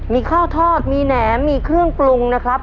มีข้าวทอดมีแหนมมีเครื่องปรุงนะครับ